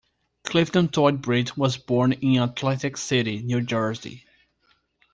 Clifton Todd Britt was born in Atlantic City, New Jersey.